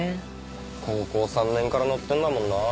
高校３年から乗ってんだもんなぁ。